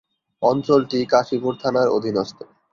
অঞ্চলটি কাশীপুর থানার অধীনস্থ।